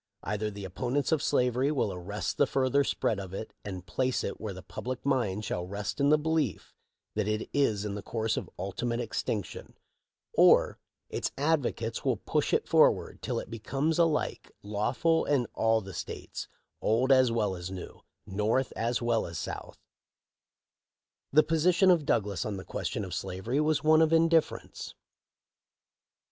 Either the opponents of slavery will arrest the further spread of it and place it where the public mind shall rest in the belief that it is in the course of ultimate extinction; or its advocates wi push it forward till it becomes alike lawful in all the states, old as well as new, North as well as South" The position of Douglas on the question of slavery was one of indifference.